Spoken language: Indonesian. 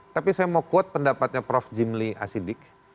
tapi saya mau quote pendapatnya prof jim lee asidik